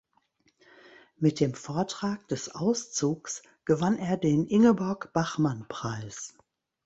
Mit dem Vortrag des Auszugs gewann er den Ingeborg-Bachmann-Preis.